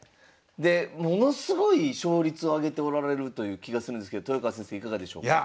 でものすごい勝率を挙げておられるという気がするんですけど豊川先生いかがでしょうか？